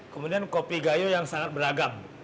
kemudian kopi gayo yang sangat beragam